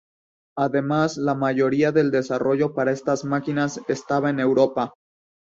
Además, la mayoría del desarrollo para estas máquinas estaba en Europa.